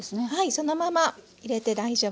そのまま入れて大丈夫です。